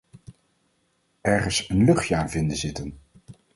Ergens een luchtje aan vinden zitten.